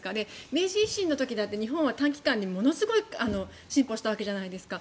明治維新の時だって日本は短期間にものすごい進歩したわけじゃないですか。